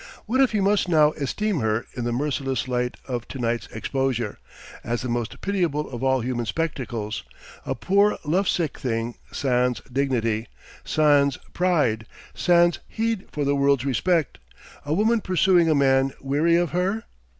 What if he must now esteem her in the merciless light of to night's exposure, as the most pitiable of all human spectacles, a poor lovesick thing sans dignity, sans pride, sans heed for the world's respect, a woman pursuing a man weary of her?